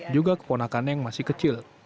juga keponakan yang masih kecil